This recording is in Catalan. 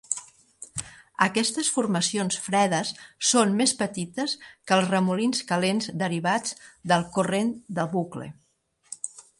Aquestes formacions fredes són més petites que els remolins calents derivats del Corrent de Bucle.